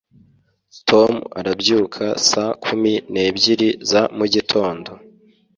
tom arabyuka saa kumi n'ebyiri za mugitondo